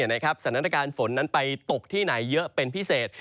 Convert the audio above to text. สถานการณ์ฝนนั้นไปตกที่ไหนเยอะเป็นพิเศษ